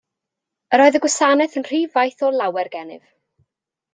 Yr oedd y gwasanaeth yn rhy faith o lawer gennyf.